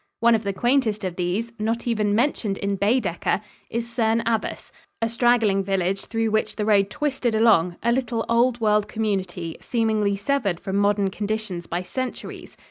One of the quaintest of these, not even mentioned in Baedeker, is Cerne Abbas, a straggling village through which the road twisted along a little old world community, seemingly severed from modern conditions by centuries.